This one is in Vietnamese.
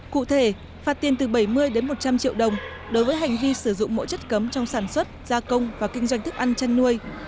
cụ thể phạt tiền từ bảy mươi đến một trăm linh triệu đồng đối với hành vi sử dụng mỗi chất cấm trong sản xuất gia công và kinh doanh thức ăn chăn nuôi